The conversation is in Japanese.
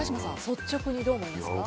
率直にどう思いますか？